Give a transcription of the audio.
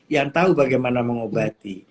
yang tahu bagaimana mengobati